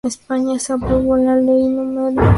Se aprobó la Ley No.